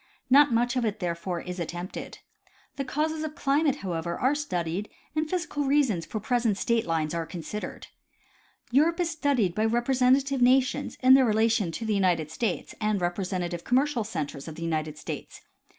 Not much of it therefore, is attempted. The causes of climate however, are studied and physical reasons for present state lines are consid ered. Europe is studied by representative nations in their relation to the United States and representative commercial centers of the United States.